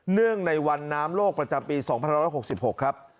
เนื่องในวันน้ำโลกประจำปี๒๑๖๖ครับ